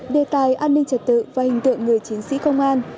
đề tài an ninh trật tự và hình tượng người chiến sĩ công an